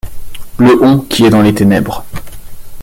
Le On qui est dans les ténèbres.